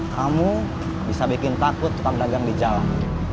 kamu bisa bikin takut tetap dagang di jalan